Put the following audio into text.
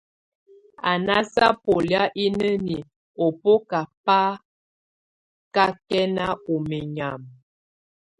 A nása bole ineni ɔ bóbaka bá kakɛn ɔ menyam.